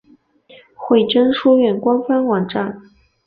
惠贞书院官方网站